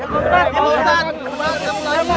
pak sabar dulu pak